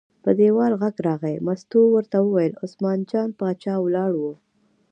په دیوال غږ راغی، مستو ور ووته، عثمان جان باچا ولاړ و.